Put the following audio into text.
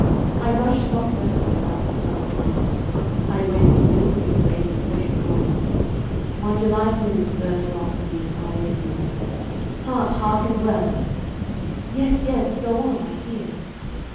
I rush not breathless after some delight; I waste no grief for any pleasure gone. My July noons burn not the entire year. Heart, hearken well!" "Yes, yes; go on; I hear."